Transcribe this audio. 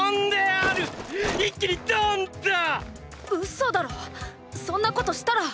嘘だろ⁉そんなことしたら！